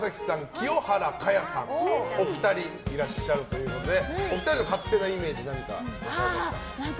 清原果耶さん、お二人いらっしゃるということでお二人の勝手なイメージ何かありますか？